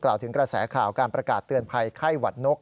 ถึงกระแสข่าวการประกาศเตือนภัยไข้หวัดนก